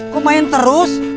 kok main terus